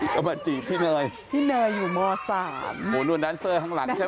ก็มาจีบพี่เนยพี่เนยอยู่มสามโอ้นู่นแดนเซอร์ข้างหลังใช่ไหม